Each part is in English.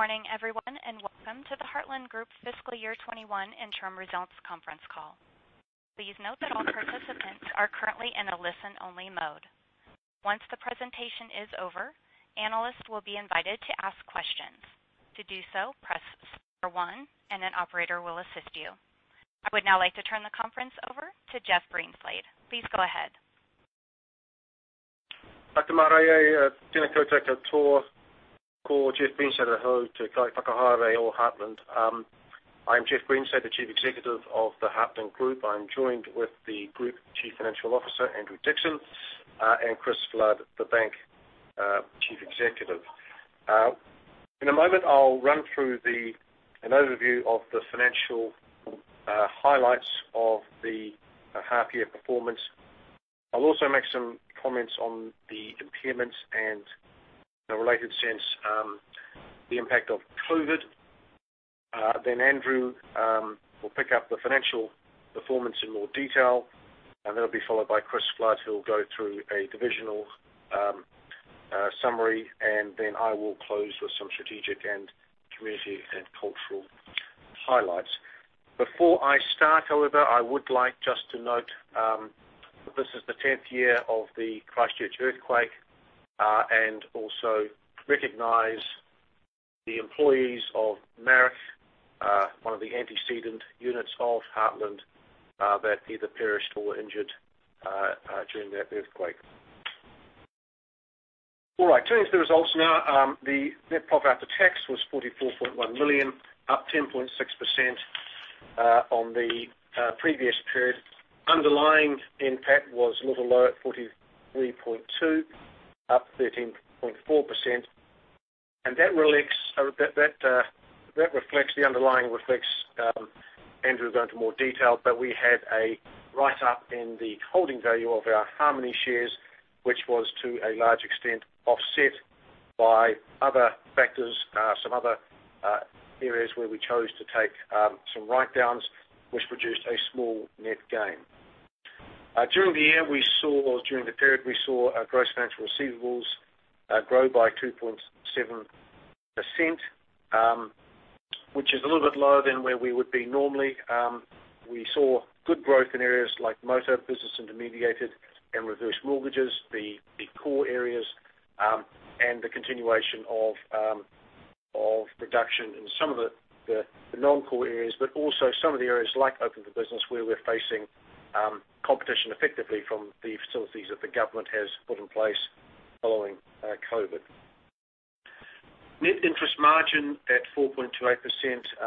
Good morning, everyone, and welcome to the Heartland Group Fiscal Year 2021 Interim Results conference call. I would now like to turn the conference over to Jeff Greenslade. Please go ahead. I'm Jeff Greenslade, the Chief Executive of the Heartland Group. I'm joined with the Group Chief Financial Officer, Andrew Dixson, and Chris Flood, the Bank Chief Executive. In a moment, I'll run through an overview of the financial highlights of the half-year performance. I'll also make some comments on the impairments and, in a related sense, the impact of COVID. Andrew will pick up the financial performance in more detail, and that'll be followed by Chris Flood, who'll go through a divisional summary, and then I will close with some strategic and community and cultural highlights. Before I start, however, I would like just to note this is the 10th year of the Christchurch earthquake, and also recognize the employees of MARAC Finance, one of the antecedent units of Heartland Group, that either perished or were injured during that earthquake. All right. Turning to the results now. The net profit after tax was 44.1 million, up 10.6% on the previous period. Underlying NPAT was a little lower at 43.2 million, up 13.4%. The underlying reflects, Andrew will go into more detail, but we had a write-up in the holding value of our Harmoney shares, which was to a large extent offset by other factors, some other areas where we chose to take some write-downs, which produced a small net gain. During the period, we saw our gross financial receivables grow by 2.7%, which is a little bit lower than where we would be normally. We saw good growth in areas like motor business intermediated and reverse mortgages, the core areas, and the continuation of reduction in some of the non-core areas, but also some of the areas like Open for Business, where we're facing competition effectively from the facilities that the government has put in place following COVID. Net interest margin at 4.28%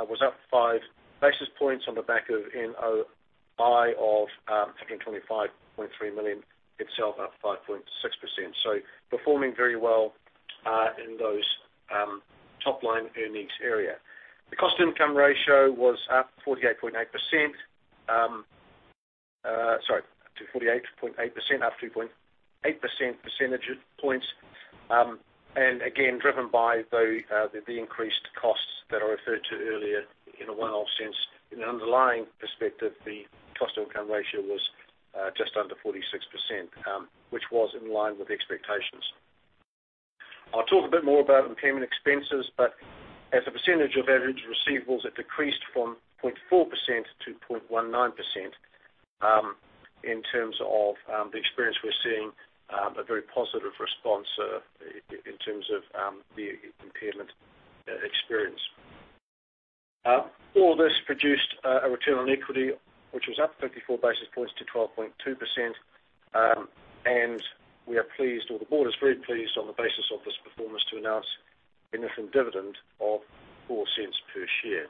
was up five basis points on the back of NOI of 125.3 million, itself up 5.6%. Performing very well in those top-line earnings area. The cost-to-income ratio was up 48.8% after 2.8 percentage points. Again, driven by the increased costs that I referred to earlier in a one-off sense. In an underlying perspective, the cost-to-income ratio was just under 46%, which was in line with expectations. I'll talk a bit more about impairment expenses, but as a percentage of average receivables, it decreased from 0.4% to 0.19%. In terms of the experience, we're seeing a very positive response in terms of the impairment experience. All this produced a return on equity, which was up 54 basis points to 12.2%, and we are pleased, or the board is very pleased on the basis of this performance, to announce an interim dividend of 0.04 per share.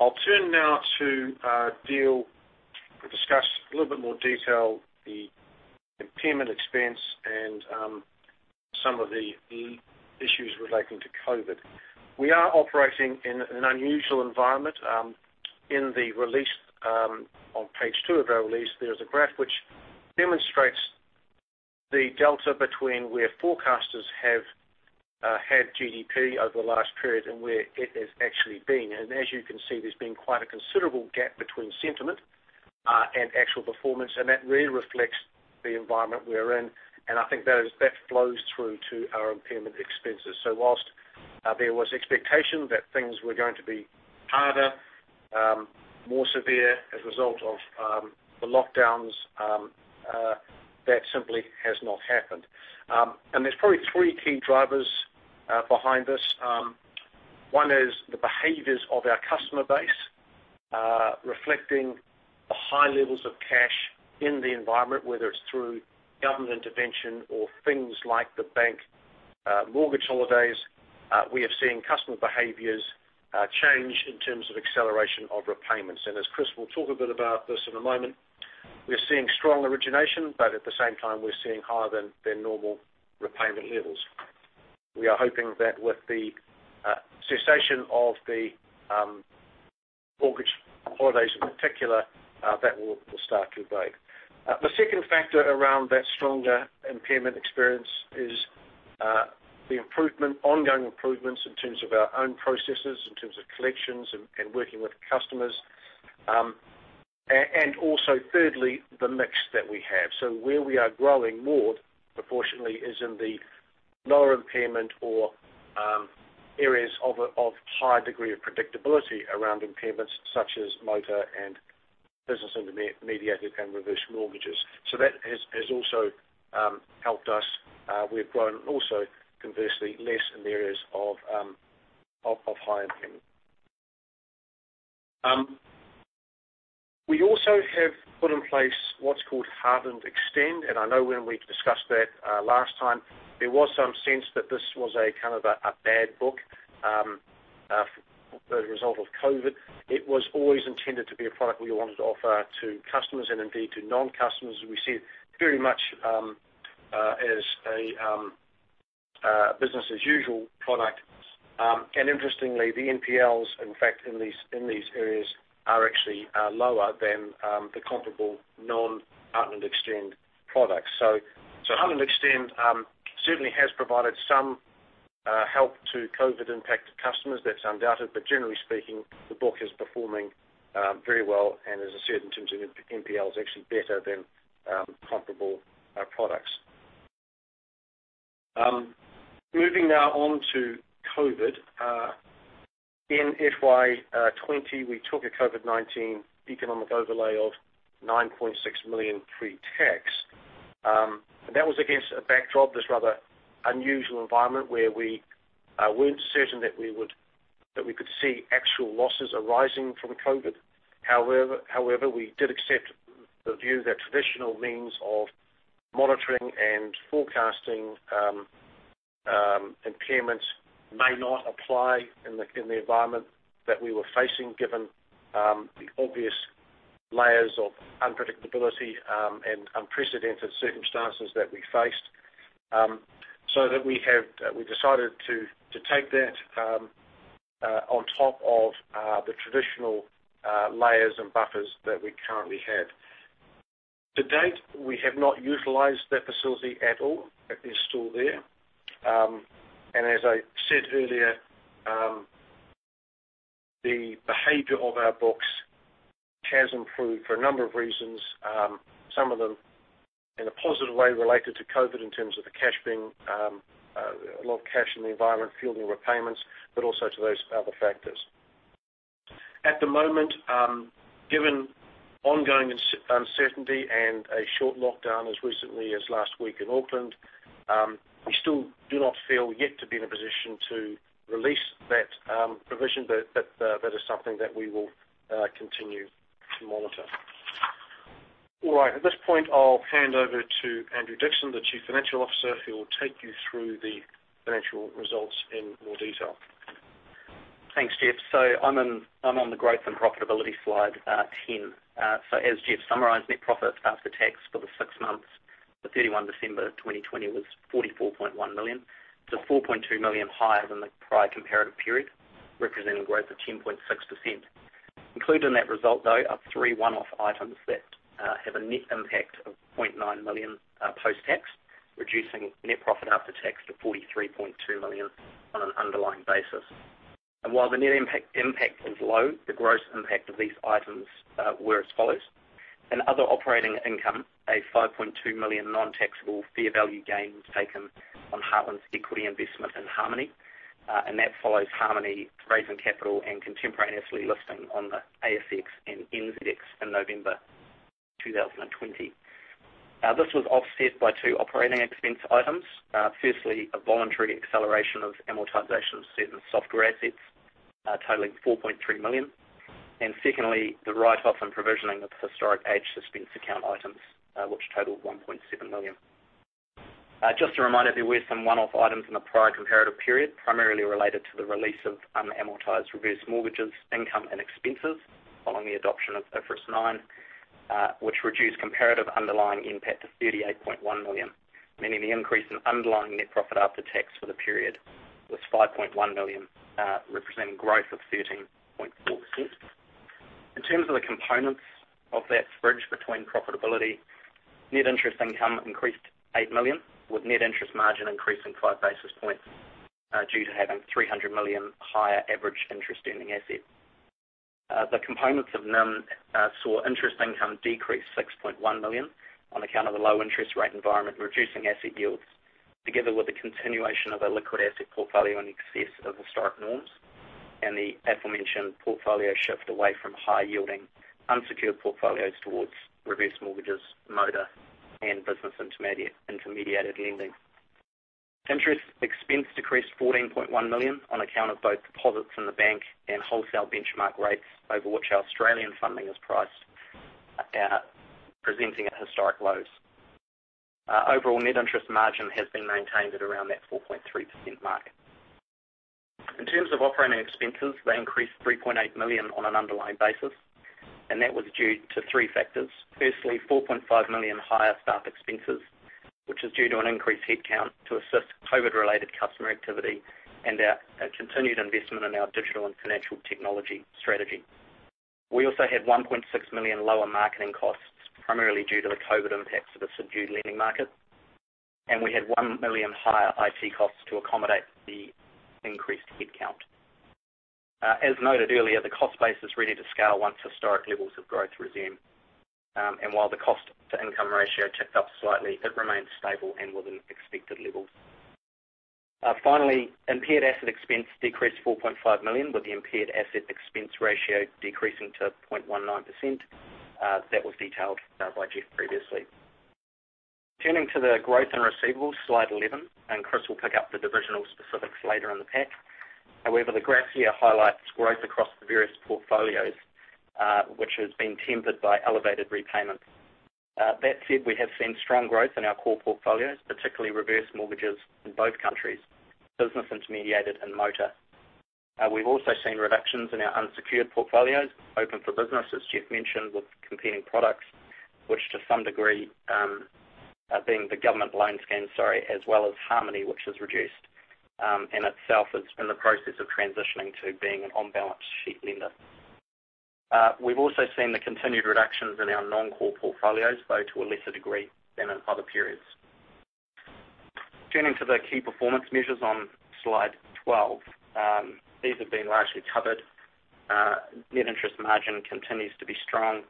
I'll turn now to discuss in a little bit more detail the impairment expense and some of the issues relating to COVID. We are operating in an unusual environment. On page two of our release, there is a graph which demonstrates the delta between where forecasters have had GDP over the last period and where it has actually been. As you can see, there's been quite a considerable gap between sentiment and actual performance, and that really reflects the environment we're in. I think that flows through to our impairment expenses. Whilst there was expectation that things were going to be harder, more severe as a result of the lockdowns, that simply has not happened. There's probably three key drivers behind this. One is the behaviors of our customer base, reflecting the high levels of cash in the environment, whether it's through government intervention or things like the bank mortgage holidays. We have seen customer behaviors change in terms of acceleration of repayments. As Chris will talk a bit about this in a moment, we're seeing strong origination, but at the same time, we're seeing higher than normal repayment levels. We are hoping that with the cessation of the mortgage holidays in particular, that will start to abate. The second factor around that stronger impairment experience is the ongoing improvements in terms of our own processes, in terms of collections and working with customers. Also thirdly, the mix that we have. Where we are growing more proportionately is in the lower impairment or areas of high degree of predictability around impairments such as motor and business-intermediated and reverse mortgages. That has also helped us. We've grown also, conversely, less in the areas of high impairment. We also have put in place what's called Heartland Extend. I know when we discussed that last time, there was some sense that this was a kind of a bad book as result of COVID. It was always intended to be a product we wanted to offer to customers and indeed to non-customers. We see it very much as a business-as-usual product. Interestingly, the NPLs, in fact, in these areas are actually lower than the comparable non-Heartland Extend products. Heartland Extend certainly has provided some help to COVID-impacted customers, that's undoubted. Generally speaking, the book is performing very well and as I said, in terms of NPLs, actually better than comparable products. Moving now on to COVID. In FY 2020, we took a COVID-19 economic overlay of 9.6 million pre-tax. That was against a backdrop, this rather unusual environment, where we weren't certain that we could see actual losses arising from COVID. However, we did accept the view that traditional means of monitoring and forecasting impairments may not apply in the environment that we were facing, given the obvious layers of unpredictability and unprecedented circumstances that we faced, so that we decided to take that on top of the traditional layers and buffers that we currently had. To date, we have not utilized that facility at all. It is still there. As I said earlier, the behavior of our books has improved for a number of reasons. Some of them, in a positive way, related to COVID in terms of a lot of cash in the environment, fueling repayments, but also to those other factors. At the moment, given ongoing uncertainty and a short lockdown as recently as last week in Auckland, we still do not feel yet to be in a position to release that provision, but that is something that we will continue to monitor. All right. At this point, I'll hand over to Andrew Dixson, the Chief Financial Officer, who will take you through the financial results in more detail. Thanks, Jeff. I'm on the growth and profitability slide, 10. As Jeff summarized, net profit after tax for the six months to 31 December 2020 was 44.1 million. 4.2 million higher than the prior comparative period, representing growth of 10.6%. Included in that result, though, are three one-off items that have a net impact of 0.9 million post-tax, reducing net profit after tax to 43.2 million on an underlying basis. While the net impact is low, the gross impact of these items were as follows. In other operating income, a 5.2 million non-taxable fair value gain was taken on Heartland's equity investment in Harmoney. That follows Harmoney raising capital and contemporaneously listing on the ASX and NZX in November 2020. This was offset by two operating expense items. Firstly, a voluntary acceleration of amortization of certain software assets, totaling 4.3 million. Secondly, the write-off and provisioning of historic age suspense account items, which totaled 1.7 million. Just a reminder, there were some one-off items in the prior comparative period, primarily related to the release of unamortized reverse mortgages, income, and expenses following the adoption of IFRS 9, which reduced comparative underlying impact to 38.1 million, meaning the increase in underlying net profit after tax for the period was 5.1 million, representing growth of 13.4%. In terms of the components of that bridge between profitability, net interest income increased 8 million, with net interest margin increasing five basis points due to having 300 million higher average interest earning assets. The components of NIM saw interest income decrease 6.1 million on account of the low interest rate environment, reducing asset yields together with the continuation of a liquid asset portfolio in excess of historic norms and the aforementioned portfolio shift away from high-yielding unsecured portfolios towards reverse mortgages, motor, and business-intermediated lending. Interest expense decreased 14.1 million on account of both deposits in the bank and wholesale benchmark rates over which our Australian funding is priced, presenting at historic lows. Overall net interest margin has been maintained at around that 4.3% mark. In terms of operating expenses, they increased 3.8 million on an underlying basis, and that was due to three factors. Firstly, 4.5 million higher staff expenses, which is due to an increased headcount to assist COVID-related customer activity and our continued investment in our digital and financial technology strategy. We also had 1.6 million lower marketing costs, primarily due to the COVID impacts of a subdued lending market. We had 1 million higher IT costs to accommodate the increased headcount. As noted earlier, the cost base is ready to scale once historic levels of growth resume. While the cost-to-income ratio ticked up slightly, it remains stable and within expected levels. Finally, impaired asset expense decreased to 4.5 million, with the impaired asset expense ratio decreasing to 0.19%. That was detailed by Jeff previously. Turning to the growth in receivables, slide 11, Chris will pick up the divisional specifics later in the pack. However, the graph here highlights growth across the various portfolios, which has been tempered by elevated repayments. That said, we have seen strong growth in our core portfolios, particularly reverse mortgages in both countries, business intermediated, and motor. We've also seen reductions in our unsecured portfolios Open for Business, as Jeff mentioned, with competing products, which to some degree are being the government loan scheme, sorry, as well as Harmoney, which has reduced. In itself, it's been the process of transitioning to being an on-balance-sheet lender. We've also seen the continued reductions in our non-core portfolios, though to a lesser degree than in other periods. Turning to the key performance measures on slide 12. These have been largely covered. Net interest margin continues to be strong,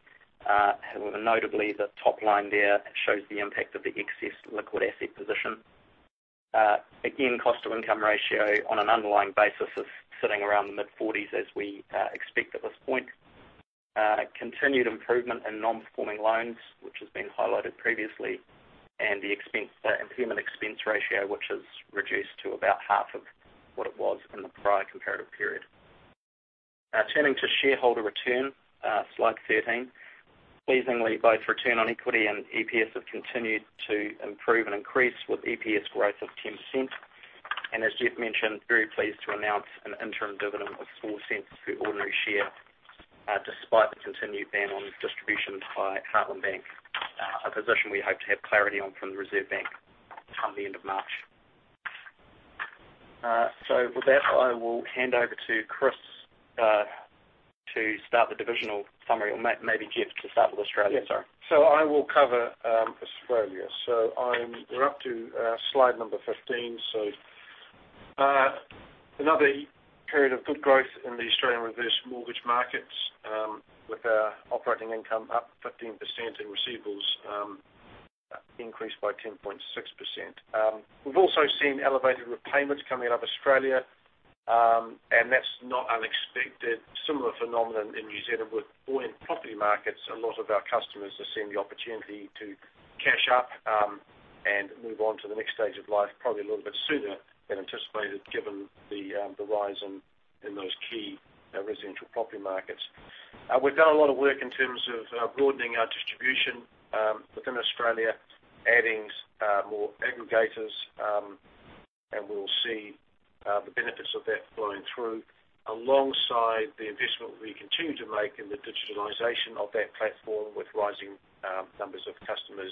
notably the top line there shows the impact of the excess liquid asset position. Again, cost-to-income ratio on an underlying basis is sitting around the mid-40s as we expect at this point. Continued improvement in non-performing loans, which has been highlighted previously, and the impairment expense ratio, which has reduced to about half of what it was in the prior comparative period. Turning to shareholder return, slide 13. Pleasingly, both return on equity and EPS have continued to improve and increase with EPS growth of 10%. As Jeff mentioned, very pleased to announce an interim dividend of 0.04 per ordinary share, despite the continued ban on distributions by Heartland Bank, a position we hope to have clarity on from the Reserve Bank come the end of March. With that, I will hand over to Chris, to start the divisional summary, or maybe Jeff to start with Australia, sorry. I will cover Australia. We're up to slide number 15. Another period of good growth in the Australian reverse mortgage markets, with our operating income up 15% and receivables increased by 10.6%. We've also seen elevated repayments coming out of Australia, and that's not unexpected. Similar phenomenon in New Zealand, with buoyant property markets, a lot of our customers are seeing the opportunity to cash up, and move on to the next stage of life, probably a little bit sooner than anticipated given the rise in those key residential property markets. We've done a lot of work in terms of broadening our distribution within Australia, adding more aggregators, and we'll see the benefits of that flowing through alongside the investment we continue to make in the digitalization of that platform with rising numbers of customers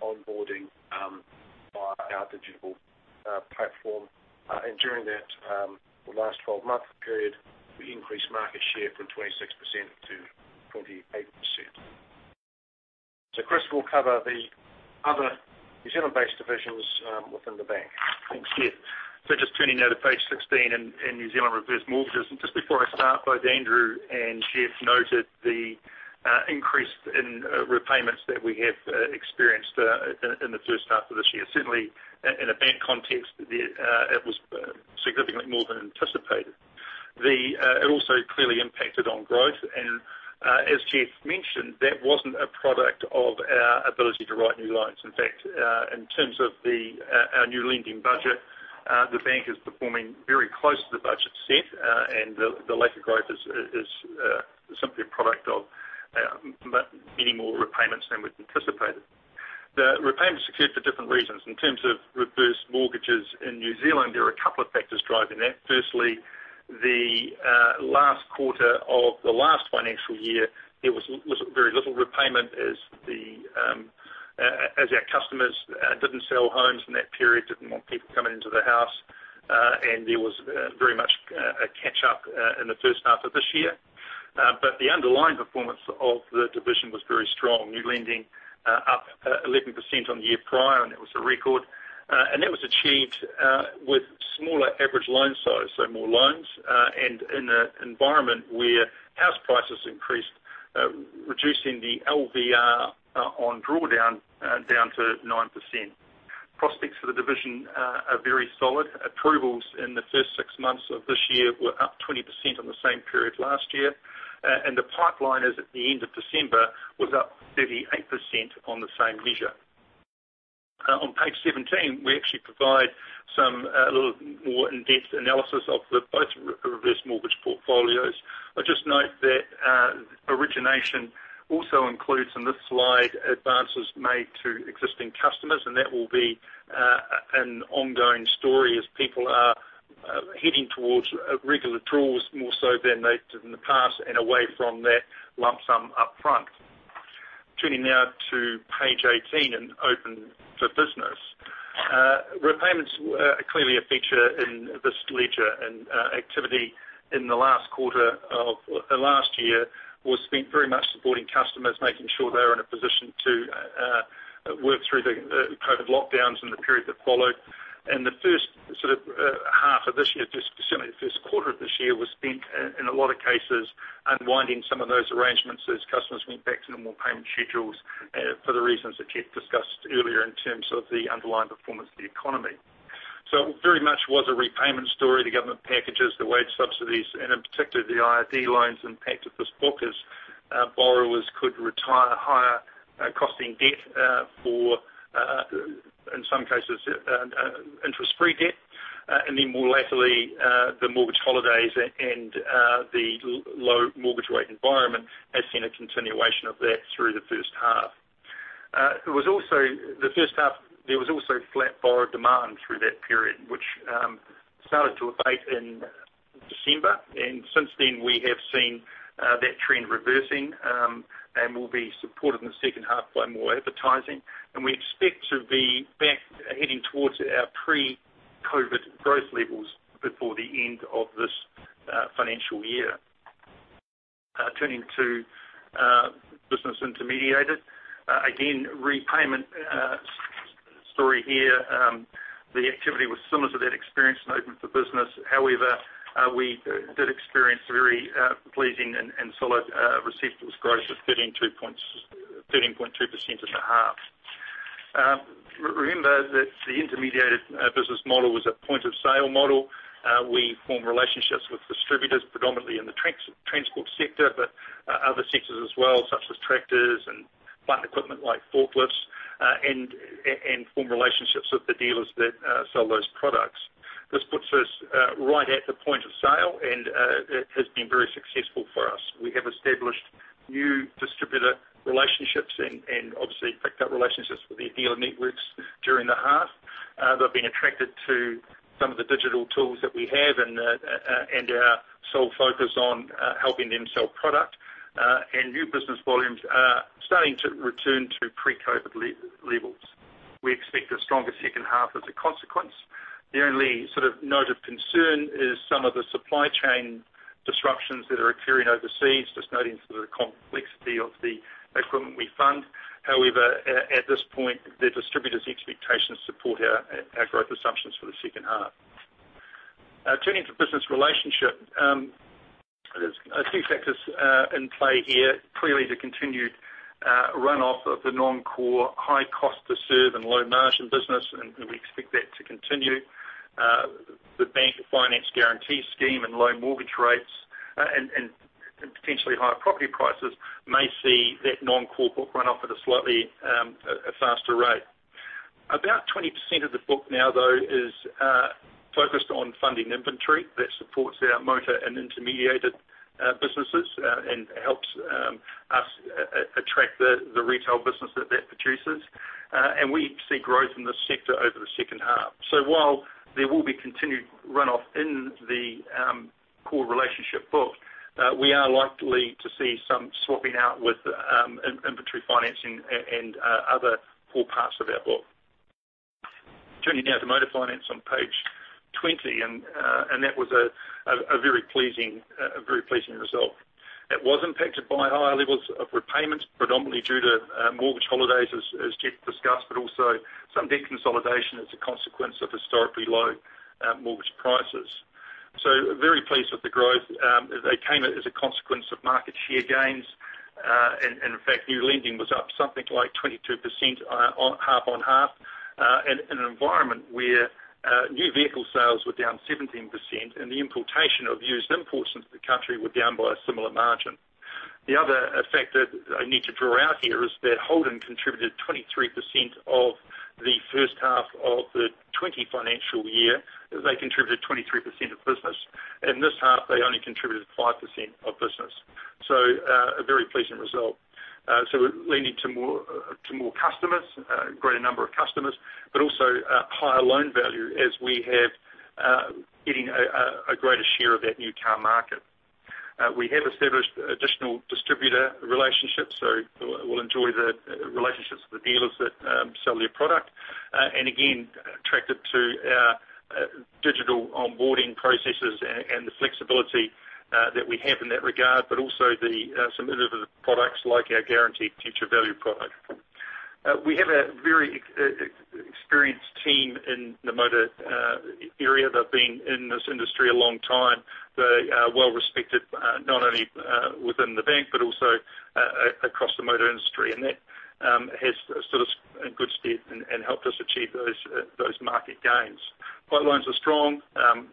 onboarding via our digital platform. During that last 12-month period, we increased market share from 26% to 28%. Chris will cover the other New Zealand-based divisions within the Bank. Thanks, Jeff. Just turning now to page 16 in New Zealand reverse mortgages. Just before I start, both Andrew and Jeff noted the increase in repayments that we have experienced in the first half of this year. Certainly, in a bank context, it was significantly more than anticipated. It also clearly impacted on growth, as Jeff mentioned, that wasn't a product of our ability to write new loans. In fact, in terms of our new lending budget, the bank is performing very close to the budget set, the lack of growth is simply a product of many more repayments than we'd anticipated. The repayments occurred for different reasons. In terms of reverse mortgages in New Zealand, there are a couple of factors driving that. Firstly, the last quarter of the last financial year, there was very little repayment as our customers didn't sell homes in that period, didn't want people coming into the house, and there was very much a catch-up in the first half of this year. The underlying performance of the division was very strong. New lending up 11% on the year prior, and it was a record. That was achieved with smaller average loan size, so more loans, and in an environment where house prices increased, reducing the LVR on drawdown down to 9%. Prospects for the division are very solid. Approvals in the first six months of this year were up 20% on the same period last year. The pipeline as at the end of December was up 38% on the same measure. On page 17, we actually provide a little more in-depth analysis of both reverse mortgage portfolios. I'd just note that origination also includes in this slide advances made to existing customers, and that will be an ongoing story as people are heading towards regular draws more so than they did in the past and away from that lump sum up front. Turning now to page 18 and Open for Business. Repayments are clearly a feature in this ledger, and activity in the last quarter of last year was spent very much supporting customers, making sure they were in a position to work through the COVID lockdowns in the period that followed. The first half of this year, specifically the first quarter of this year, was spent, in a lot of cases, unwinding some of those arrangements as customers went back to normal payment schedules for the reasons that Jeff discussed earlier in terms of the underlying performance of the economy. It very much was a repayment story, the government packages, the wage subsidies, and particularly the IRD loans impacted this book as borrowers could retire higher costing debt for, in some cases, interest-free debt. More lately, the mortgage holidays and the low mortgage rate environment has seen a continuation of that through the first half. The first half, there was also flat borrower demand through that period, which started to abate in December. Since then, we have seen that trend reversing and will be supported in the second half by more advertising. We expect to be back heading towards our pre-COVID growth levels before the end of this financial year. Turning to business intermediated. Repayment story here. The activity was similar to that experienced in Open for Business. However, we did experience very pleasing and solid receivables growth of 13.2% in the half. Remember that the intermediated business model was a point-of-sale model. We form relationships with distributors, predominantly in the transport sector, but other sectors as well, such as tractors and plant equipment like forklifts, and form relationships with the dealers that sell those products. This puts us right at the point of sale and has been very successful for us. We have established new distributor relationships and obviously picked up relationships with their dealer networks during the half. They've been attracted to some of the digital tools that we have and our sole focus on helping them sell product. New business volumes are starting to return to pre-COVID levels. We expect a stronger second half as a consequence. The only note of concern is some of the supply chain disruptions that are occurring overseas, just noting the complexity of the equipment we fund. However, at this point, the distributors' expectations support our growth assumptions for the second half. Turning to business relationship. There's a few factors in play here. Clearly, the continued runoff of the non-core, high cost to serve and low margin business, and we expect that to continue. The bank finance guarantee scheme and low mortgage rates, and potentially higher property prices may see that non-core book run off at a slightly faster rate. About 20% of the book now, though, is focused on funding inventory that supports our motor and intermediated businesses and helps us attract the retail business that produces. We see growth in this sector over the second half. While there will be continued runoff in the core relationship book, we are likely to see some swapping out with inventory financing and other core parts of our book. Turning now to motor finance on page 20, that was a very pleasing result. It was impacted by higher levels of repayments, predominantly due to mortgage holidays, as Jeff discussed, but also some debt consolidation as a consequence of historically low mortgage prices. Very pleased with the growth. They came as a consequence of market share gains. In fact, new lending was up something like 22% half-on-half, in an environment where new vehicle sales were down 17% and the importation of used imports into the country were down by a similar margin. The other factor I need to draw out here is that Holden contributed 23% of the first half of the 2020 financial year. They contributed 23% of business. In this half, they only contributed 5% of business. A very pleasing result. We're lending to more customers, a greater number of customers, but also higher loan value as we have getting a greater share of that new car market. We have established additional distributor relationships, so we'll enjoy the relationships with the dealers that sell their product. Again, attracted to our digital onboarding processes and the flexibility that we have in that regard, but also some of the products like our Guaranteed Future Value product. We have a very experienced team in the motor area. They've been in this industry a long time. They are well respected, not only within Heartland Bank, but also across the motor industry. That has stood us in good stead and helped us achieve those market gains. Pipelines are strong.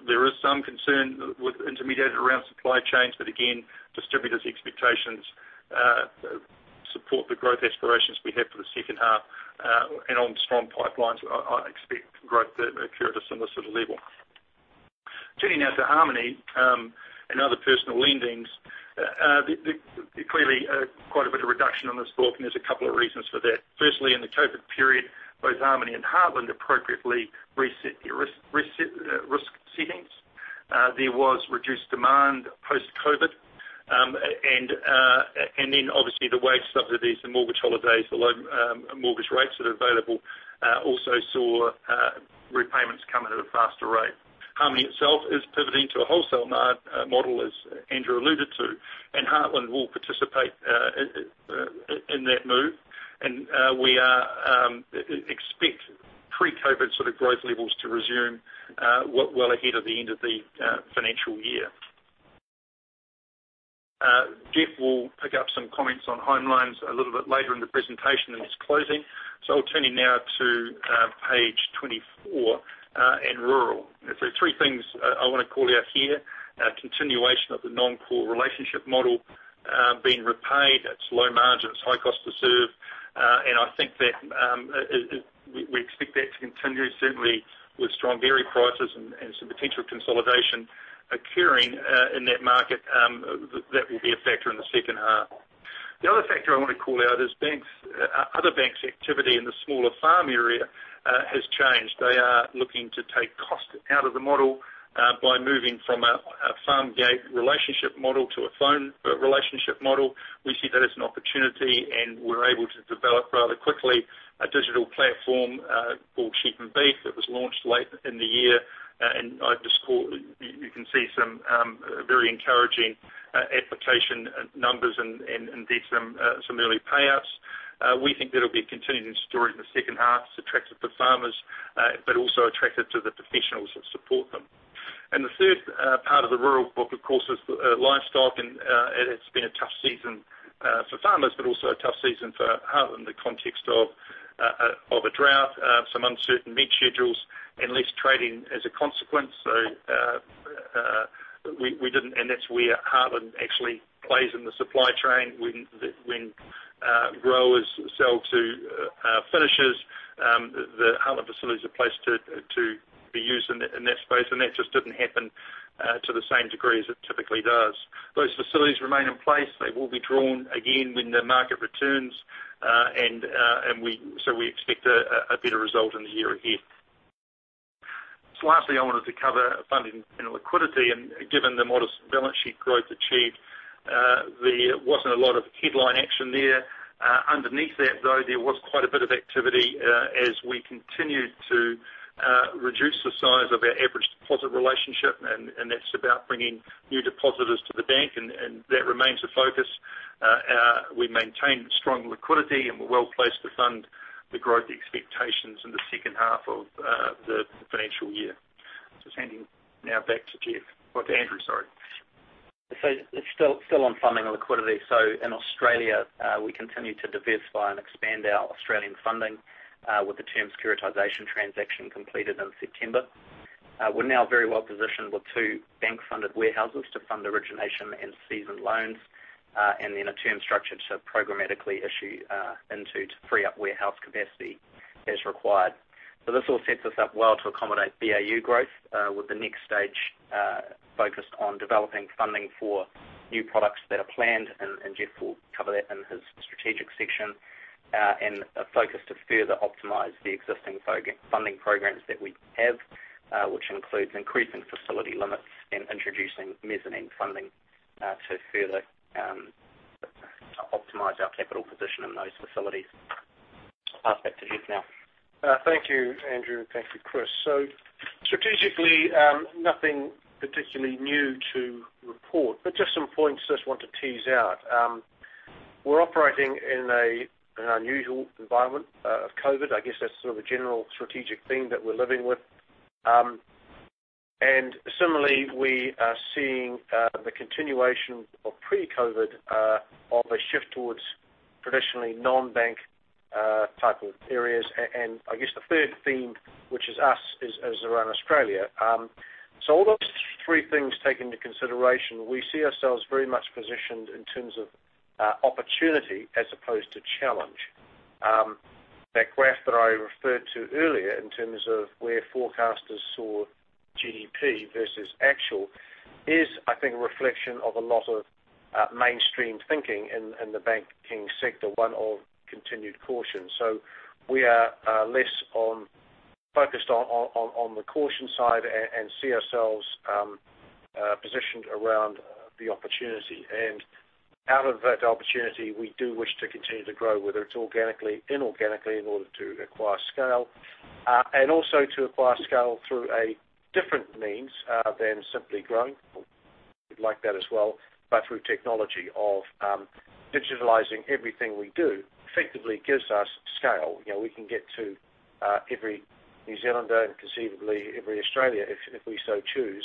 There is some concern with intermediated around supply chains, again, distributors' expectations support the growth aspirations we have for the second half. On strong pipelines, I expect growth to occur at a similar sort of level. Turning now to Harmoney and other personal lendings. Clearly, quite a bit of reduction on this book, there's a couple of reasons for that. Firstly, in the COVID period, both Harmoney and Heartland appropriately reset their risk. There was reduced demand post-COVID. Obviously, the wage subsidies, the mortgage holidays, the low mortgage rates that are available, also saw repayments come in at a faster rate. Harmoney itself is pivoting to a wholesale model, as Andrew alluded to. Heartland will participate in that move. We expect pre-COVID growth levels to resume well ahead of the end of the financial year. Jeff will pick up some comments on home loans a little bit later in the presentation in his closing. I'll turn you now to page 24, in rural. There's three things I want to call out here. Continuation of the non-core relationship model being repaid. It's low margin, it's high cost to serve. I think that we expect that to continue, certainly with strong dairy prices and some potential consolidation occurring in that market. That will be a factor in the second half. The other factor I want to call out is other banks' activity in the smaller farm area has changed. They are looking to take cost out of the model by moving from a farm gate relationship model to a phone relationship model. We see that as an opportunity, and we're able to develop rather quickly a digital platform called Sheep and Beef that was launched late in the year. You can see some very encouraging application numbers and indeed some early payouts. We think that'll be a continuing story in the second half. It's attractive to farmers, but also attractive to the professionals that support them. The third part of the rural book, of course, is livestock. It's been a tough season for farmers, but also a tough season for Heartland in the context of a drought, some uncertain meat schedules, and less trading as a consequence. That's where Heartland actually plays in the supply chain. When growers sell to finishers, the Heartland facilities are placed to be used in that space, and that just didn't happen to the same degree as it typically does. Those facilities remain in place. They will be drawn again when the market returns. We expect a better result in the year ahead. Lastly, I wanted to cover funding and liquidity, and given the modest balance sheet growth achieved, there wasn't a lot of headline action there. Underneath that, though, there was quite a bit of activity, as we continued to reduce the size of our average deposit relationship, and that's about bringing new depositors to Heartland Bank, and that remains a focus. We maintain strong liquidity, we're well-placed to fund the growth expectations in the second half of the financial year. Sending now back to Andrew, sorry. It's still on funding and liquidity. In Australia, we continue to diversify and expand our Australian funding, with the term securitization transaction completed in September. We're now very well positioned with two bank-funded warehouses to fund origination and seasoned loans, and then a term structure to programmatically issue into, to free up warehouse capacity as required. This all sets us up well to accommodate BAU growth, with the next stage focused on developing funding for new products that are planned, and Jeff will cover that in his strategic section. A focus to further optimize the existing funding programs that we have, which includes increasing facility limits and introducing mezzanine funding to further optimize our capital position in those facilities. I'll pass back to Jeff now. Thank you, Andrew. Thank you, Chris. Strategically, nothing particularly new to report, but just some points I just want to tease out. We're operating in an unusual environment of COVID. I guess that's sort of a general strategic theme that we're living with. Similarly, we are seeing the continuation of pre-COVID, of a shift towards traditionally non-bank type of areas. I guess the third theme, which is us, is around Australia. All those three things take into consideration, we see ourselves very much positioned in terms of opportunity as opposed to challenge. That graph that I referred to earlier in terms of where forecasters saw GDP versus actual is, I think, a reflection of a lot of mainstream thinking in the banking sector, one of continued caution. We are less focused on the caution side and see ourselves positioned around the opportunity. Out of that opportunity, we do wish to continue to grow, whether it's organically, inorganically, in order to acquire scale. Also to acquire scale through a different means other than simply growing. We'd like that as well, but through technology of digitalizing everything we do effectively gives us scale. We can get to every New Zealander and conceivably every Australian, if we so choose,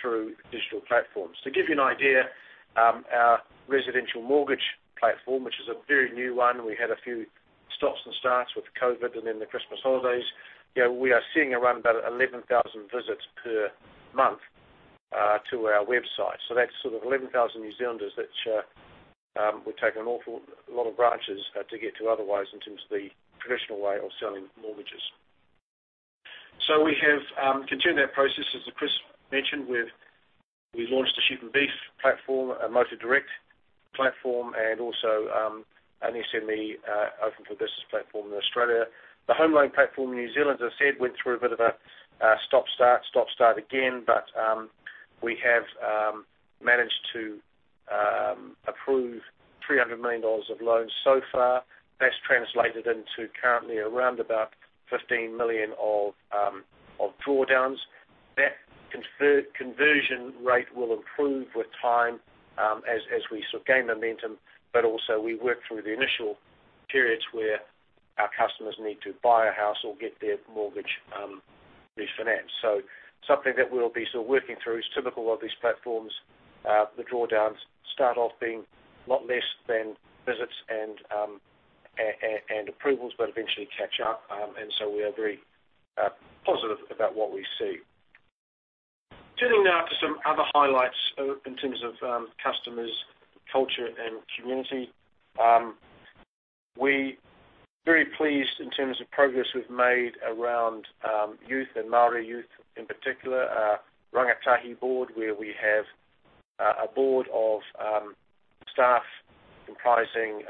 through digital platforms. To give you an idea, our residential mortgage platform, which is a very new one, we had a few stops and starts with COVID and then the Christmas holidays. We are seeing around about 11,000 visits per month to our website. That's sort of 11,000 New Zealanders, that would take an awful lot of branches to get to otherwise in terms of the traditional way of selling mortgages. We have continued that process, as Chris mentioned. We launched a Sheep and Beef platform, a motor direct platform, and also an SME Open for Business platform in Australia. The home loan platform in New Zealand, as I said, went through a bit of a stop, start, stop, start again. We have managed to approve 300 million dollars of loans so far. That's translated into currently around about 15 million of drawdowns. That conversion rate will improve with time as we gain momentum, but also we work through the initial periods where our customers need to buy a house or get their mortgage refinanced. Something that we'll be still working through is typical of these platforms. The drawdowns start off being a lot less than visits and approvals, but eventually catch up. We are very positive about what we see. Turning now to some other highlights in terms of customers, culture, and community. We're very pleased in terms of progress we've made around youth and Māori youth in particular, Rangatahi Advisory Board, where we have a board of staff comprising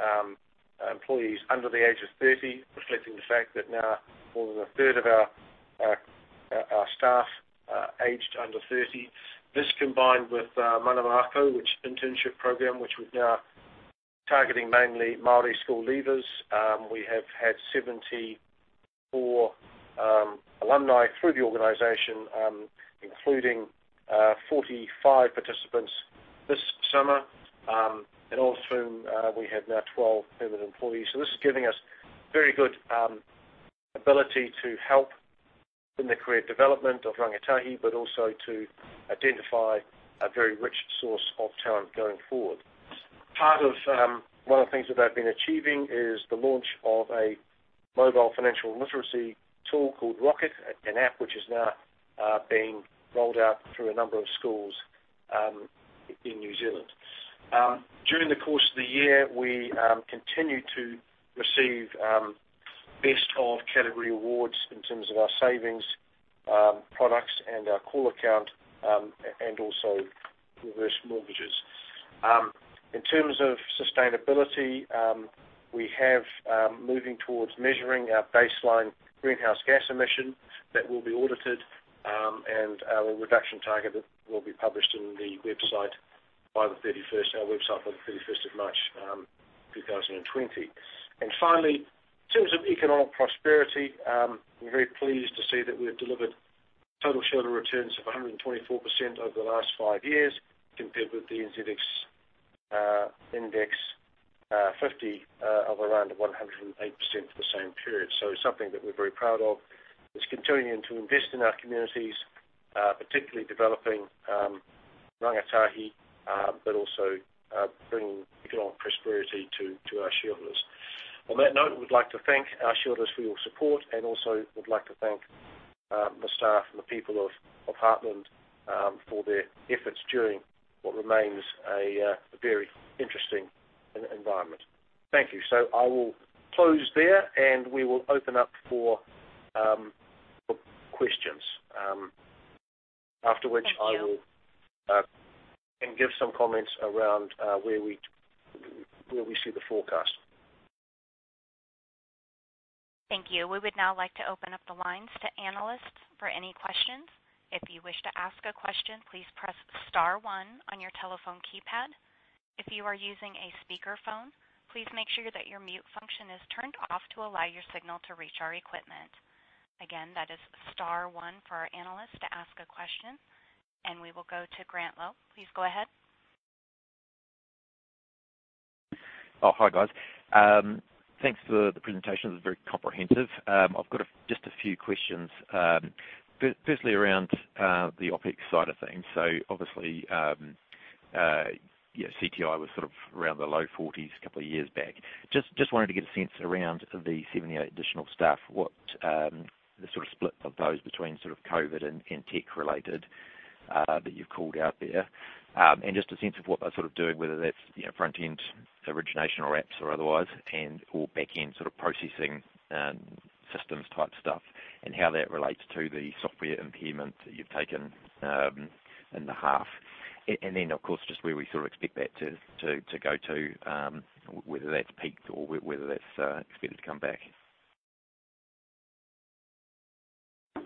employees under the age of 30, reflecting the fact that now more than a third of our staff are aged under 30. This combined with Manawa Ako, which is an internship program, which we're now targeting mainly Māori school leavers. We have had 74 alumni through the organization, including 45 participants this summer, and of whom we have now 12 permanent employees. This is giving us very good ability to help in the career development of Rangatahi, but also to identify a very rich source of talent going forward. Part of one of the things that they've been achieving is the launch of a mobile financial literacy tool called Rocket, an app which is now being rolled out through a number of schools in New Zealand. During the course of the year, we continued to receive best of category awards in terms of our savings products and our call account, and also reverse mortgages. In terms of sustainability, we have moving towards measuring our baseline greenhouse gas emission that will be audited, and our reduction target will be published in the website by the 31st of March 2021. Finally, in terms of economic prosperity, we're very pleased to see that we've delivered total shareholder returns of 124% over the last five years, compared with the NZX 50 Index of around 108% for the same period. It's something that we're very proud of, is continuing to invest in our communities, particularly developing Rangatahi, but also bringing economic prosperity to our shareholders. On that note, we'd like to thank our shareholders for your support, and also we'd like to thank the staff and the people of Heartland for their efforts during what remains a very interesting environment. Thank you. I will close there, and we will open up for questions, after which I will give some comments around where we see the forecast. Thank you. We would now like to open up the lines to analysts for any questions. If you wish to ask a question, please press star one on your telephone keypad. If you are using a speakerphone, please make sure that your mute function is turned off to allow your signal to reach our equipment. Again, that is star one for our analysts to ask a question. We will go to Grant Lowe. Please go ahead. Oh, hi guys. Thanks for the presentation. It was very comprehensive. I've got just a few questions. Firstly, around the OpEx side of things. Obviously, CTI was sort of around the low 40s a couple of years back. Just wanted to get a sense around the 78 additional staff, what the sort of split of those between sort of COVID and tech related that you've called out there. Just a sense of what they're sort of doing, whether that's front end origination or apps or otherwise, and/or back end sort of processing systems type stuff, and how that relates to the software impairment that you've taken in the half. Then, of course, just where we sort of expect that to go to, whether that's peaked or whether that's expected to come back.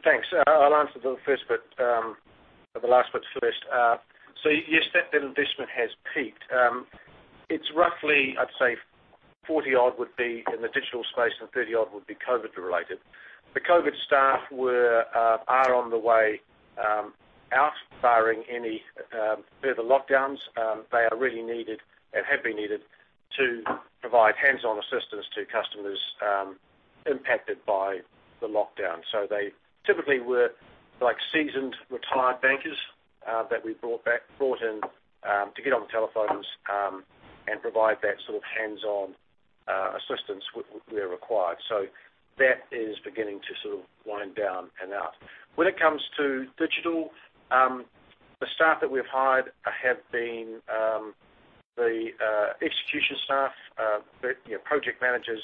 Thanks. I'll answer the last bit first. Yes, that investment has peaked. It's roughly, I'd say 40 odd would be in the digital space and 30 odd would be COVID related. The COVID staff are on the way out, barring any further lockdowns. They are really needed and have been needed to provide hands-on assistance to customers impacted by the lockdown. They typically were seasoned retired bankers that we brought in to get on the telephones and provide that sort of hands-on assistance where required. That is beginning to sort of wind down and out. When it comes to digital, the staff that we've hired have been the execution staff, project managers,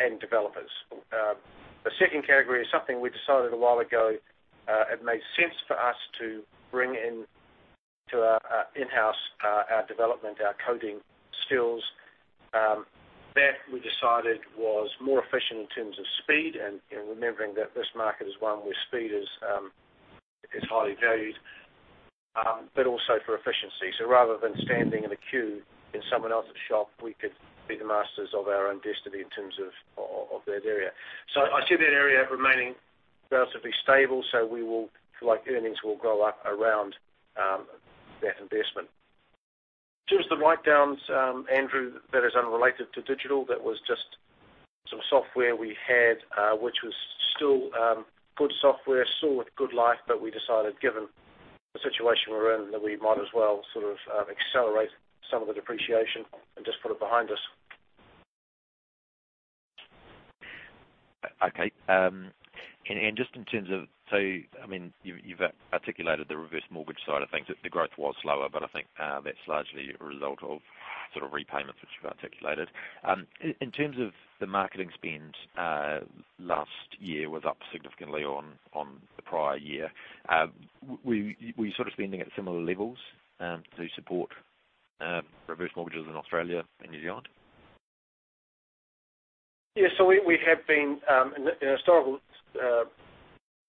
and developers. The second category is something we decided a while ago. It made sense for us to bring into our in-house, our development, our coding skills, that we decided was more efficient in terms of speed and remembering that this market is one where speed is highly valued, but also for efficiency. Rather than standing in a queue in someone else's shop, we could be the masters of our own destiny in terms of that area. I see that area remaining relatively stable. Earnings will grow up around that investment. In terms the write-downs, Andrew, that is unrelated to digital. That was just some software we had, which was still good software, still with good life, but we decided, given the situation we're in, that we might as well sort of accelerate some of the depreciation and just put it behind us. Okay. Just in terms of, you've articulated the reverse mortgage side of things, that the growth was slower, but I think that's largely a result of sort of repayments, which you've articulated. In terms of the marketing spend, last year was up significantly on the prior year. Were you sort of spending at similar levels, to support reverse mortgages in Australia and New Zealand? We have been, in historical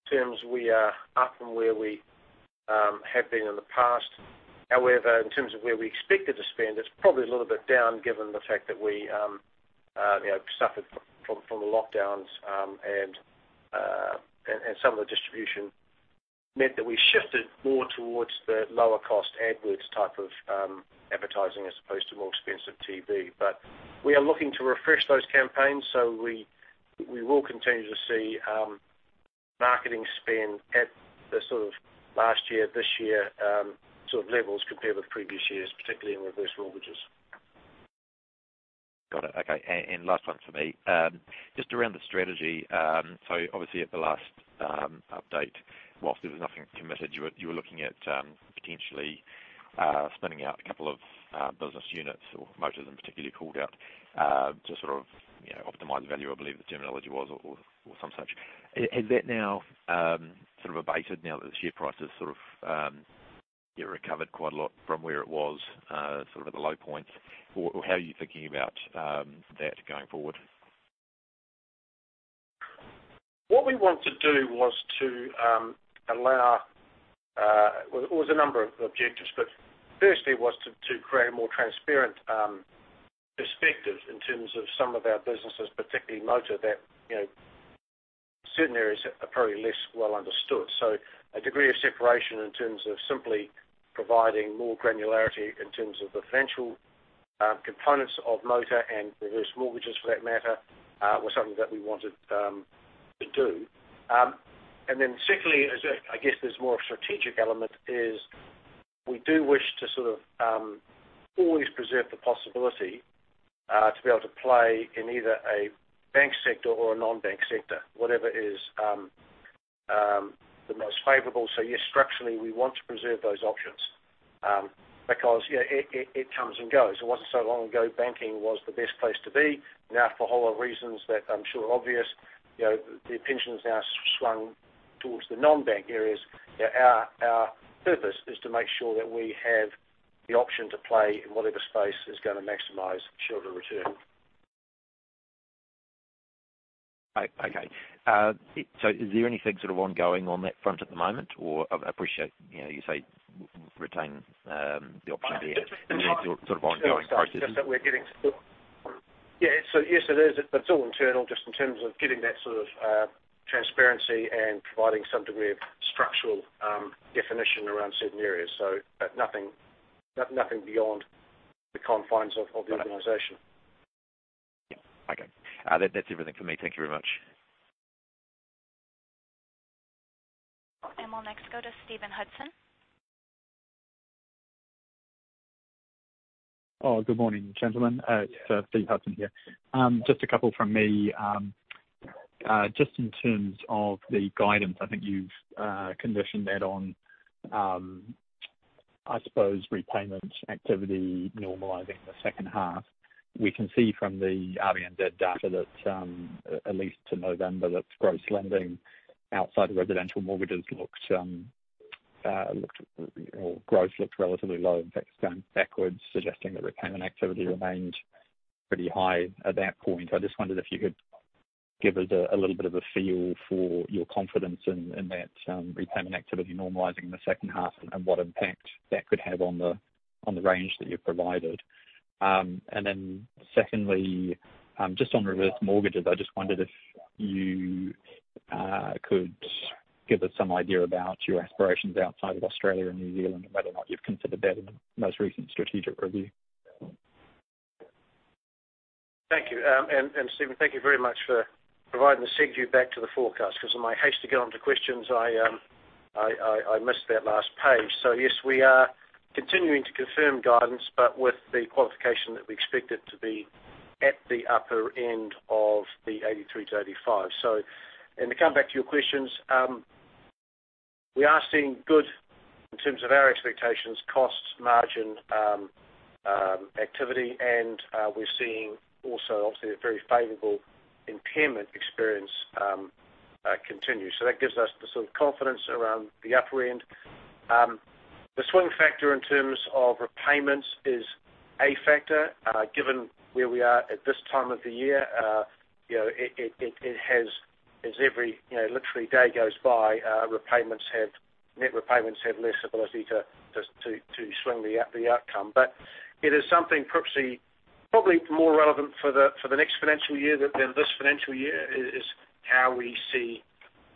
terms, we are up from where we have been in the past. However, in terms of where we expected to spend, it's probably a little bit down given the fact that we suffered from the lockdowns, and some of the distribution meant that we shifted more towards the lower cost AdWords type of advertising as opposed to more expensive TV. We are looking to refresh those campaigns. We will continue to see marketing spend at the sort of last year, this year, sort of levels compared with previous years, particularly in reverse mortgages. Got it. Okay. Last one for me, just around the strategy. Obviously at the last update, whilst there was nothing committed, you were looking at potentially spinning out a couple of business units or most of them particularly called out, to sort of optimize value, I believe the terminology was, or some such. Has that now sort of abated now that the share price has sort of recovered quite a lot from where it was at the low points? How are you thinking about that going forward? What we want to do was Well, it was a number of objectives, but firstly was to create a more transparent perspective in terms of some of our businesses, particularly Motor that, certain areas are probably less well understood. A degree of separation in terms of simply providing more granularity in terms of the financial components of Motor and reverse mortgages for that matter, was something that we wanted to do. Secondly, I guess there's more strategic element is we do wish to sort of always preserve the possibility to be able to play in either a bank sector or a non-bank sector, whatever is the most favorable. Yes, structurally, we want to preserve those options, because it comes and goes. It wasn't so long ago, banking was the best place to be. Now, for a whole lot of reasons that I'm sure are obvious, the attention has now swung towards the non-bank areas. Our purpose is to make sure that we have the option to play in whatever space is going to maximize shareholder return. Okay. Is there anything sort of ongoing on that front at the moment? I appreciate, you say retain the option there. Just that we're getting to it. Yeah. Yes, it is. It's all internal just in terms of getting that sort of transparency and providing some degree of structural definition around certain areas. Nothing beyond the confines of the organization. Yeah. Okay. That's everything for me. Thank you very much. We'll next go to Stephen Hudson. Good morning, gentlemen. It's Stephen Hudson here. Just a couple from me. Just in terms of the guidance, I think you've conditioned that on, I suppose, repayment activity normalizing the second half. We can see from the RBNZ data that, at least to November, that gross lending outside of residential mortgages Or growth looked relatively low. In fact, it's gone backwards, suggesting that repayment activity remained pretty high at that point. I just wondered if you could give us a little bit of a feel for your confidence in that repayment activity normalizing in the second half and what impact that could have on the range that you've provided. Secondly, just on reverse mortgages, I just wondered if you could give us some idea about your aspirations outside of Australia and New Zealand and whether or not you've considered that in the most recent strategic review. Thank you. Stephen, thank you very much for providing the segue back to the forecast, because in my haste to get onto questions, I missed that last page. Yes, we are continuing to confirm guidance, but with the qualification that we expect it to be at the upper end of the 83-85. To come back to your questions. We are seeing good, in terms of our expectations, costs, margin activity, and we're seeing also, obviously, a very favorable impairment experience continue. That gives us the confidence around the upper end. The swing factor in terms of repayments is a factor, given where we are at this time of the year. As every literally day goes by, net repayments have less ability to swing the outcome. It is something perhaps probably more relevant for the next financial year than this financial year, is how we see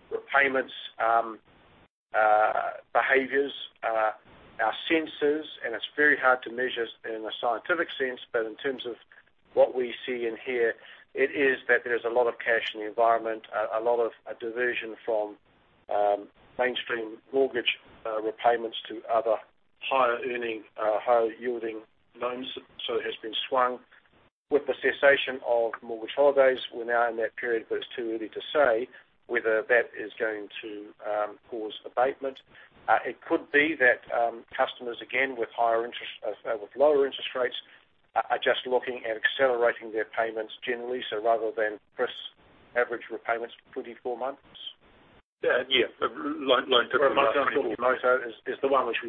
repayments behaviors. Our senses, and it's very hard to measure in a scientific sense, but in terms of what we see and hear, it is that there's a lot of cash in the environment, a lot of diversion from mainstream mortgage repayments to other higher-earning, higher-yielding loans. It has been swung. With the cessation of mortgage holidays, we're now in that period, but it's too early to say whether that is going to cause abatement. It could be that customers, again, with lower interest rates, are just looking at accelerating their payments generally, so rather than press average repayments for 24 months. Yeah. The one which we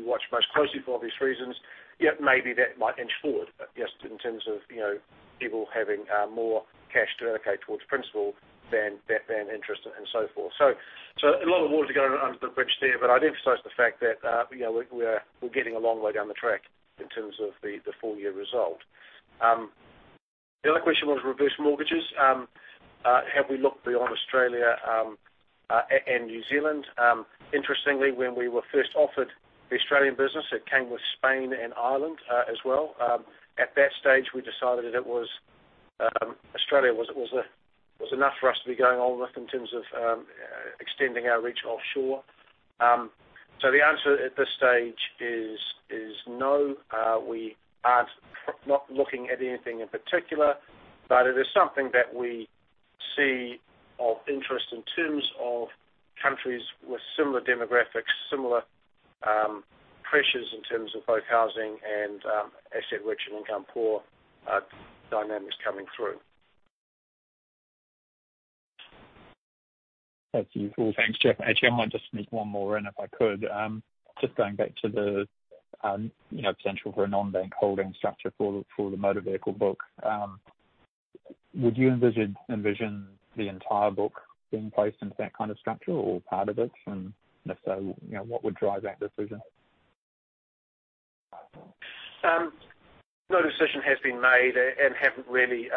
watch most closely for obvious reasons. Maybe that might inch forward, but just in terms of people having more cash to allocate towards principal than interest and so forth. A lot of water going under the bridge there, but I'd emphasize the fact that we're getting a long way down the track in terms of the full-year result. The other question was reverse mortgages. Have we looked beyond Australia and New Zealand? Interestingly, when we were first offered the Australian business, it came with Spain and Ireland as well. At that stage, we decided that Australia was enough for us to be going on with in terms of extending our reach offshore. The answer at this stage is no. We are not looking at anything in particular. It is something that we see of interest in terms of countries with similar demographics, similar pressures in terms of both housing and asset-rich and income-poor dynamics coming through. Thank you. Well, thanks, Jeff. Actually, I might just sneak one more in if I could. Just going back to the potential for a non-bank holding structure for the motor vehicle book. Would you envision the entire book being placed into that kind of structure or part of it? If so, what would drive that decision? No decision has been made, and haven't really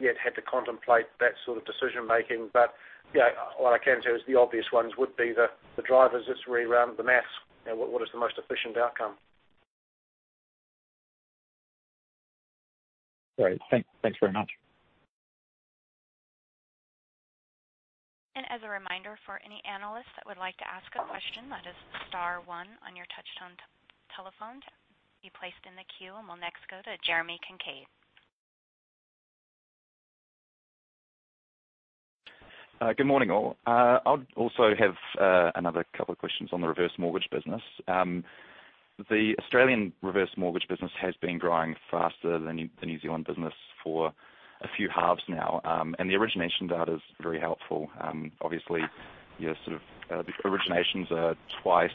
yet had to contemplate that sort of decision-making. What I can say is the obvious ones would be the drivers. It's really around the math, what is the most efficient outcome. Great. Thanks very much. As a reminder, for any analysts that would like to ask a question, that is star one on your touchtone telephone to be placed in the queue. We'll next go to Jeremy Kincaid. Good morning, all. I'll also have another couple of questions on the reverse mortgage business. The Australian reverse mortgage business has been growing faster than the New Zealand business for a few halves now. The origination data is very helpful. Obviously, the originations are twice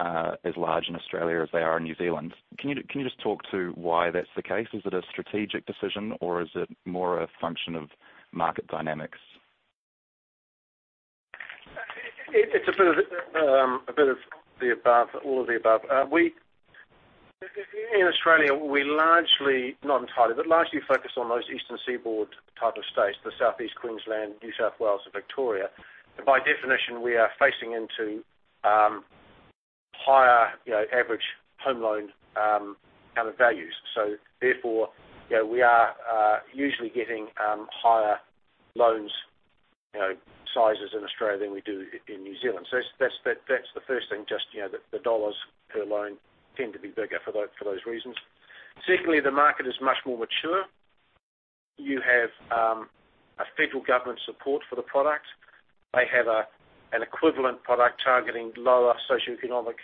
as large in Australia as they are in New Zealand. Can you just talk to why that's the case? Is it a strategic decision, or is it more a function of market dynamics? It's a bit of the above, all of the above. In Australia, we largely, not entirely, but largely focus on those eastern seaboard type of states, the Southeast Queensland, New South Wales, and Victoria. By definition, we are facing into higher average home loan amount values. Therefore, we are usually getting higher loans sizes in Australia than we do in New Zealand. That's the first thing, just the dollars per loan tend to be bigger for those reasons. Secondly, the market is much more mature. You have a federal government support for the product. They have an equivalent product targeting lower socioeconomic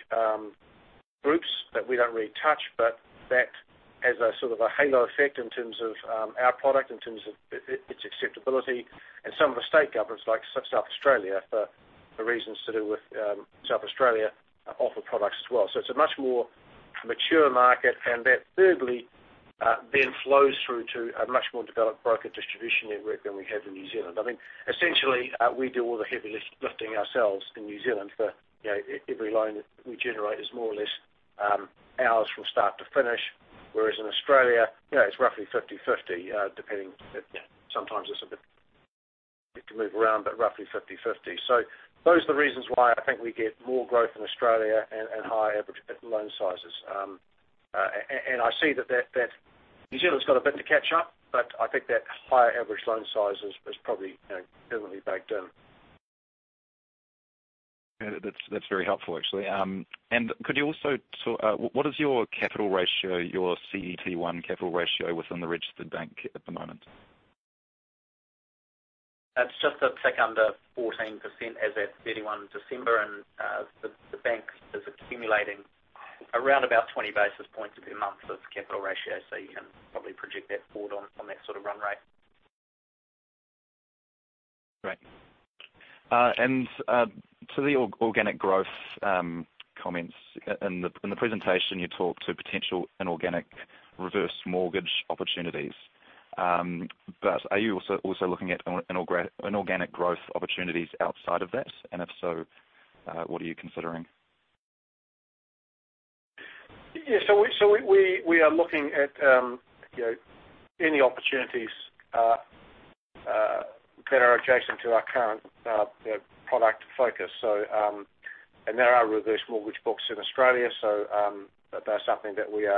groups that we don't really touch, but that has a sort of a halo effect in terms of our product, in terms of its acceptability. Some of the state governments, like South Australia, for reasons to do with South Australia, offer products as well. It's a much more mature market, and that thirdly then flows through to a much more developed broker distribution network than we have in New Zealand. Essentially, we do all the heavy lifting ourselves in New Zealand, for every loan that we generate is more or less ours from start to finish. Whereas in Australia, it's roughly 50/50, depending. Sometimes it can move around, but roughly 50/50. Those are the reasons why I think we get more growth in Australia and higher average loan sizes. I see that New Zealand's got a bit to catch up, but I think that higher average loan size is probably permanently baked in. That's very helpful, actually. What is your capital ratio, your CET1 capital ratio within the registered bank at the moment? That's just a tick under 14% as at 31 December. The Bank is accumulating around about 20 basis points per month of capital ratio. You can probably project that forward on that sort of run rate. Great. To the organic growth comments. In the presentation, you talked to potential inorganic reverse mortgage opportunities. Are you also looking at inorganic growth opportunities outside of that? If so, what are you considering? Yeah. We are looking at any opportunities that are adjacent to our current product focus. There are reverse mortgage books in Australia, so that's something that we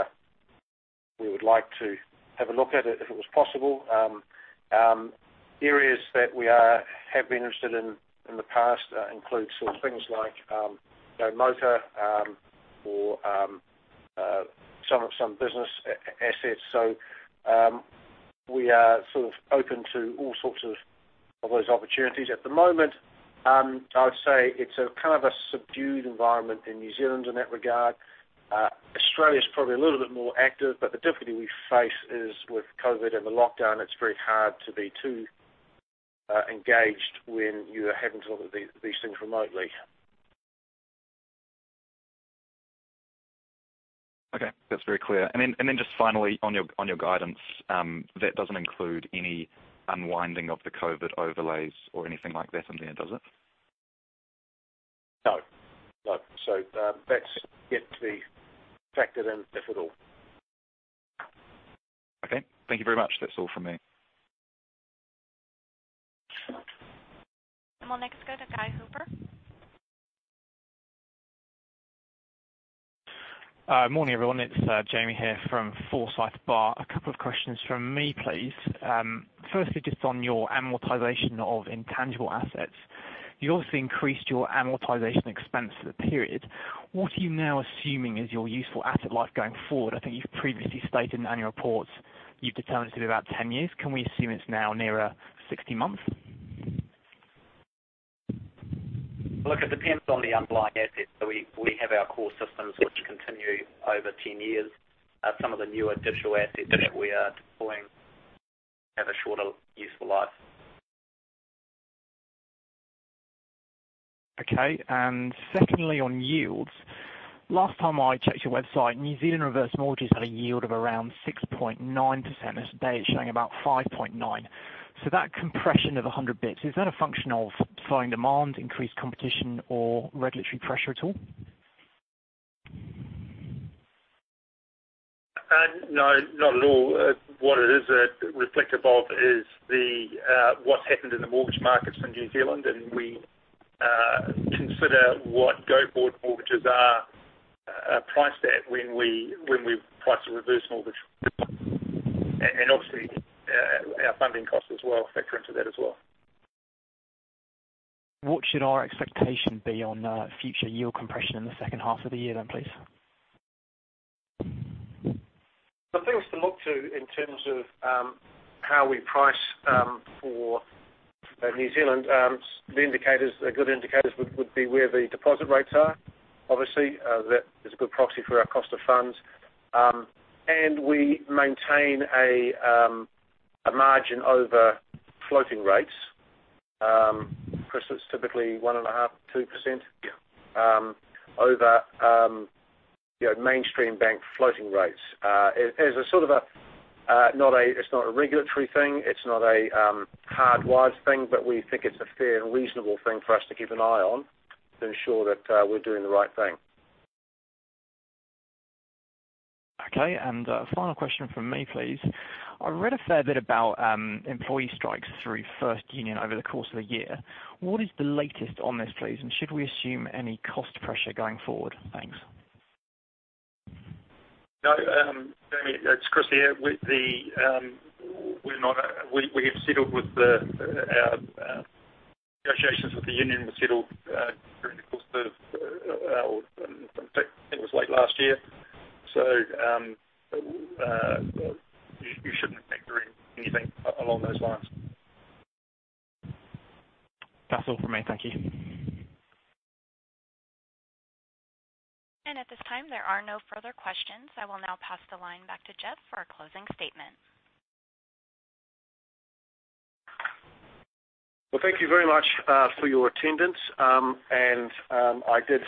would like to have a look at it if it was possible. Areas that we have been interested in in the past include sort of things like motor or some business assets. We are sort of open to all sorts of those opportunities. At the moment, I would say it's a kind of a subdued environment in New Zealand in that regard. Australia's probably a little bit more active, but the difficulty we face is with COVID and the lockdown, it's very hard to be too engaged when you are having to look at these things remotely. Okay. That's very clear. Then just finally, on your guidance, that doesn't include any unwinding of the COVID overlays or anything like that in there, does it? No. That's yet to be factored in, if at all. Okay. Thank you very much. That's all from me. We'll next go to Guy Hooper. Morning, everyone. It's Jamie here from Forsyth Barr. A couple of questions from me, please. Firstly, just on your amortization of intangible assets. You obviously increased your amortization expense for the period. What are you now assuming is your useful asset life going forward? I think you've previously stated in annual reports you've determined it to be about 10 years. Can we assume it's now nearer 60 months? Look, it depends on the underlying assets. We have our core systems which continue over 10 years. Some of the newer digital assets that we are deploying have a shorter useful life. Okay. Secondly, on yields. Last time I checked your website, New Zealand reverse mortgages had a yield of around 6.9%. As of today, it's showing about 5.9%. That compression of 100 bps, is that a function of slowing demand, increased competition or regulatory pressure at all? No, not at all. What it is reflective of is what's happened in the mortgage markets in New Zealand, and we consider what go board mortgages are priced at when we price a reverse mortgage. Obviously, our funding costs as well factor into that as well. What should our expectation be on future yield compression in the second half of the year then, please? The things to look to in terms of how we price for New Zealand, the good indicators would be where the deposit rates are. Obviously, that is a good proxy for our cost of funds. We maintain a margin over floating rates. Chris, it's typically 1.5%, 2% over mainstream bank floating rates. It's not a regulatory thing, it's not a hard-wired thing, but we think it's a fair and reasonable thing for us to keep an eye on to ensure that we're doing the right thing. Okay. A final question from me, please. I read a fair bit about employee strikes through FIRST Union over the course of the year. What is the latest on this, please? Should we assume any cost pressure going forward? Thanks. No, Jamie, it's Chris here. Our negotiations with the union were settled during the course of, I think it was late last year. You shouldn't factor in anything along those lines. That's all from me. Thank you. At this time, there are no further questions. I will now pass the line back to Jeff for our closing statement. Well, thank you very much for your attendance. I did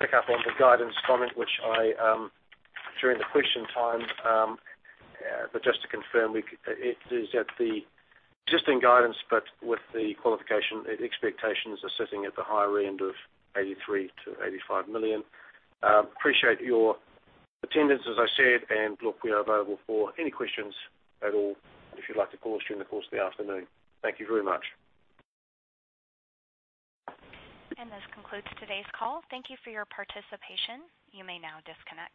pick up on the guidance comment, which I, during the question time. Just to confirm, it is at the existing guidance, but with the qualification, expectations are sitting at the higher end of 83 million to 85 million. Appreciate your attendance, as I said, and look, we are available for any questions at all if you'd like to call us during the course of the afternoon. Thank you very much. This concludes today's call. Thank you for your participation. You may now disconnect.